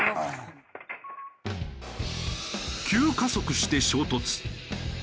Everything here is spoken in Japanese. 急加速して衝突。